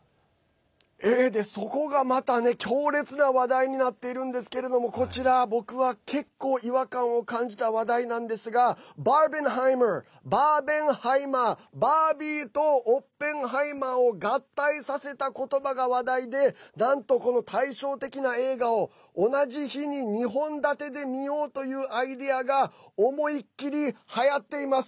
そこがまたね、強烈な話題になっているんですけどこちら、僕は結構違和感を感じた話題なんですがバーベンハイマーバービーとオッペンハイマーを合体させた言葉が話題でなんと対照的な映画を同じ日に２本立てで見ようというアイデアが思い切りはやっています。